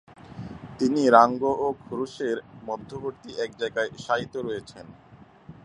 তিনি রাঙ্গ ও খুরুশের মধ্যবর্তী এক জায়গায় শায়িত রয়েছেন।